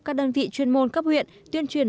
các đơn vị chuyên môn cấp huyện tuyên truyền